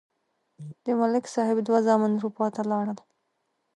د ملک صاحب دوه زامن اروپا ته لاړل.